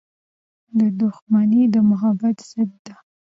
• دښمني د محبت ضد ده.